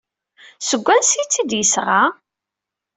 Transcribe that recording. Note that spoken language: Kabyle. Seg wansi ay tt-id-yesɣa?